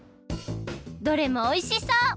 どれもおいしそう！